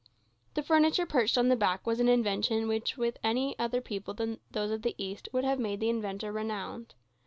The furniture perched on the back was an invention which with any other people than of the East would have made the inventor renowned.